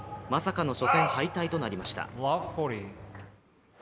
まさかの初戦敗退となりました。